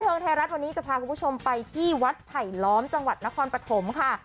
ไทยรัฐวันนี้จะพาคุณผู้ชมไปที่วัดไผลล้อมจังหวัดนครปฐมค่ะ